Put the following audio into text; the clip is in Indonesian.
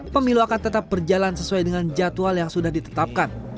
pemilu akan tetap berjalan sesuai dengan jadwal yang sudah ditetapkan